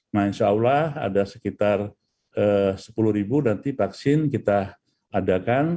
nah insya allah ada sekitar sepuluh ribu nanti vaksin kita adakan